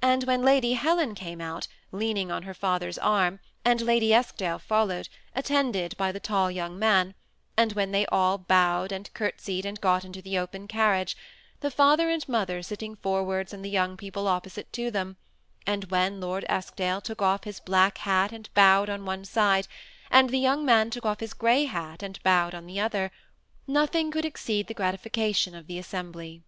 And when Lady Helen came out, lean ing on her father's arm, and Lady Eskdale followed, at tended by the tall young man ; and when they all bowed and curtsied, and got into the open carriage, the father THE SEMI ATTACHED COUPLE. 19 and mother sitting forwards and the young people opposite to them ; and when Lord Eskdale to6k off his black hat and bowed on one side, and the joung man took off his gray hat and bowed on the other ; nothing could exceed the gratification of the assembly.